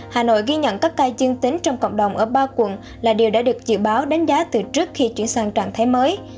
hà nội ghi nhận các ca dương tính trong cộng đồng ở ba quận là điều đã được dự báo đánh giá từ trước khi chuyển sang trạng thái mới